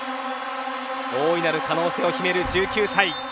大いなる可能性を秘める１９歳。